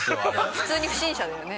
普通に不審者だよね。